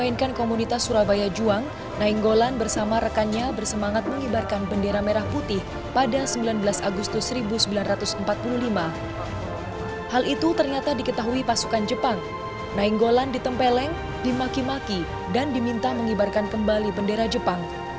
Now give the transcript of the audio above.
nainggolan ditempeleng dimaki maki dan diminta mengibarkan kembali bendera jepang